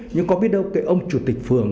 nhưng có biết đâu cái ông chủ tịch phường